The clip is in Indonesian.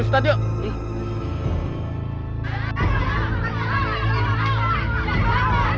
berarti gak sakwar